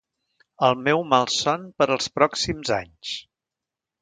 El meu malson per als pròxims anys...